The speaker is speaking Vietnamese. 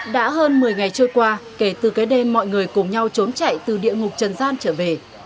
đã hơn một mươi ngày trôi qua kể từ cái đêm mọi người cùng nhau trốn chạy từ địa ngục trần gian trở về